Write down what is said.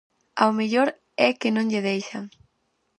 Ao mellor é que non lle deixan.